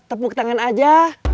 tepuk tangan aja